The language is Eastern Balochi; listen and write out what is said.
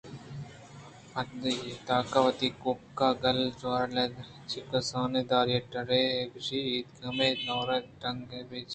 پاد اتک ءُوتی کوپگ ءِ بگل جولا(لیدر ءِ بیگ) ءَ چہ یک کسانیں داری ٹُکرے کش اِت ءُہمے دروازگ ءِ ٹنگئے بند کُت